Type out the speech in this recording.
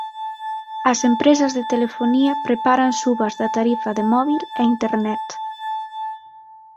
As empresas de telefonía preparan subas da tarifa de móbil e Internet.